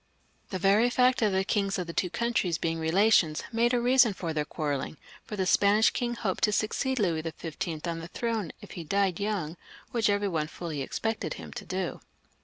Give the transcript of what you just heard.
The very fact of the kings of the two coimtries being relations made a reason for their quarrelling, for the Span ish king hoped to succeed Louis XV. on ttie throne if he died young, which every one fully expected him to do.